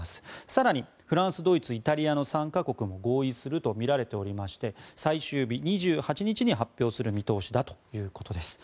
更に、フランス、ドイツイタリアの３か国も合意するとみられておりまして最終日、２８日に発表する見通しだということです。